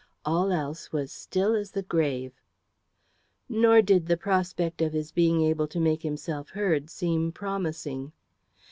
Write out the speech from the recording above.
All else was still as the grave. Nor did the prospect of his being able to make himself heard seem promising.